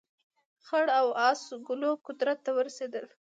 خړ او اس ګلو قدرت ته ورسېدل.